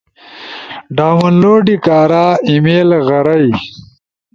ڈاؤن لوڈ کارا ای میل غرئی